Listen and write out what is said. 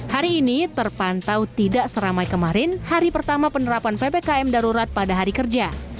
hari ini terpantau tidak seramai kemarin hari pertama penerapan ppkm darurat pada hari kerja